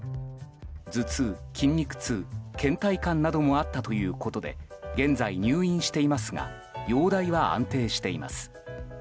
頭痛、筋肉痛、倦怠感などもあったということで現在、入院していますが容体は安定しています。